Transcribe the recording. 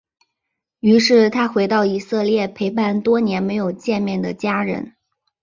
于是他回到以色列陪伴多年没有见面的家人。